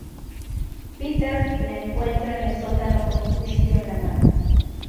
Peter la encuentra en el sótano con un cuchillo en la mano.